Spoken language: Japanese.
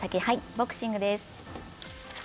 ボクシングです。